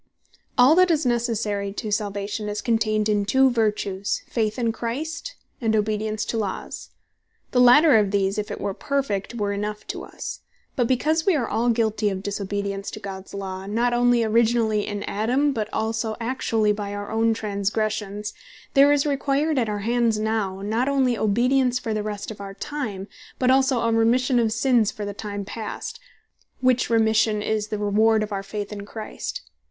All That Is Necessary To Salvation Is Contained In Faith And Obedience All that is NECESSARY to Salvation, is contained in two Vertues, Faith in Christ, and Obedience to Laws. The latter of these, if it were perfect, were enough to us. But because wee are all guilty of disobedience to Gods Law, not onely originally in Adam, but also actually by our own transgressions, there is required at our hands now, not onely Obedience for the rest of our time, but also a Remission of sins for the time past; which Remission is the reward of our Faith in Christ.